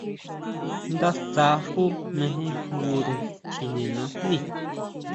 Ndásja xú mejenjngure chine najní.